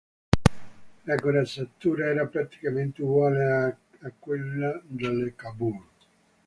La corazzatura era praticamente uguale a quella delle Cavour.